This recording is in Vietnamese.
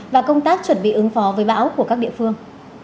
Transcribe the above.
và công tác chuẩn bị ứng phó với bão của các địa phương